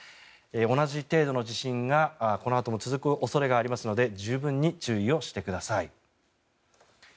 同じ程度の地震がこのあとも続く恐れがありますので十分に注意をしてください。